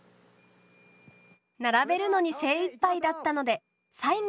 並べるのに精いっぱいだったので最後は人が倒します。